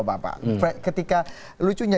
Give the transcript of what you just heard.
bapak ketika lucunya